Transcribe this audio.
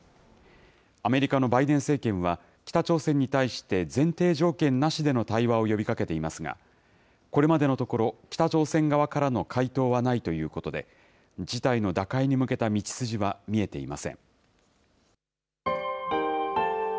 アメリカのバイデン政権は、北朝鮮に対して前提条件なしでの対話を呼びかけていますが、これまでのところ、北朝鮮側からの回答はないということで、事態の打開に向けた道筋は見えていません。